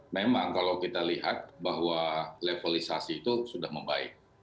memang kalau kita lihat bahwa levelisasi itu sudah membaik